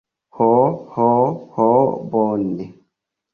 Ho, ho, ho bone.